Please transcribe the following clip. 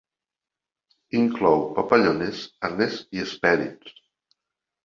Inclou papallones, arnes i hespèrids.